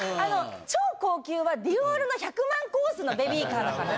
超高級はディオールの１００万コースのベビーカーだから。